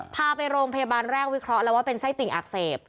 พาไปโรงพยาบาลแรกวิเคราะห์แล้วว่าเป็นไส้ติ่งอักเสบ